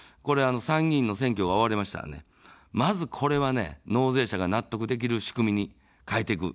参議院の選挙が終わりましたら、まず、これは納税者が納得できる仕組みに変えていく。